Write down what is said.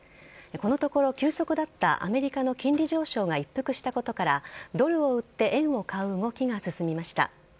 このところ急速だったアメリカの金利上昇が一服したことからドルを売って円を買う動きが進みました。